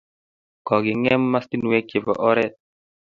Koking'em mastinwek chebo Oret